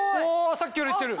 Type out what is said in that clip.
さっきよりいってる。